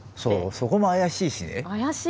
そこも怪しいし。